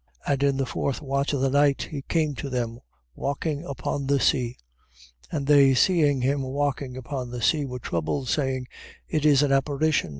14:25. And in the fourth watch of the night, he came to them walking upon the sea. 14:26. And they seeing him walking upon the sea, were troubled, saying: It is an apparition.